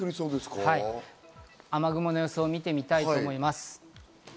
雨雲の様子を見てみたいと思います。